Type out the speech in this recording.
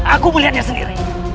aku melihatnya sendiri